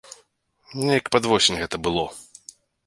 Неяк пад восень гэта было.